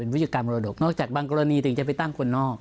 ผู้จัดการมรดกนอกจากบางกรณีถึงจะไปตั้งคนนอก